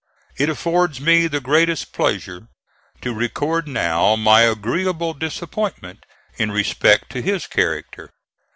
It affords me the greatest pleasure to record now my agreeable disappointment in respect to his character.